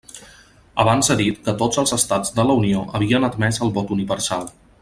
Abans he dit que tots els estats de la Unió havien admès el vot universal.